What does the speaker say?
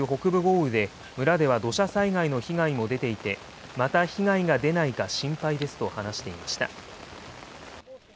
６年前の九州北部豪雨で、村では土砂災害の被害も出ていて、また被害が出ないか心配ですと話していました。